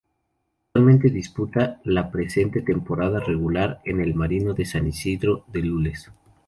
Actualmente disputa la presente temporada regular en el "Marino" de San Isidro de Lules.